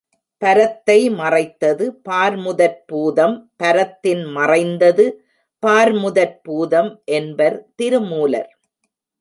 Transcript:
பரத்தை மறைத்தது பார்முதற் பூதம் பரத்தின் மறைந்தது பார்முதற் பூதம் என்பர் திருமூலர்.